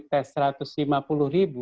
diperlukan untuk pcr jauh mbak